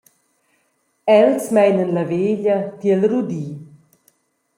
Els meinan la veglia tiel rudi.